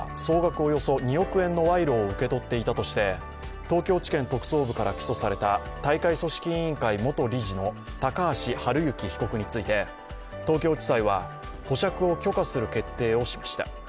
およそ２億円の賄賂を受け取っていたとして、東京地検特捜部から起訴された大会組織委員会元理事の高橋治之被告について東京地裁は保釈を許可する決定をしました。